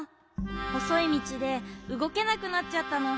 ほそいみちでうごけなくなっちゃったの。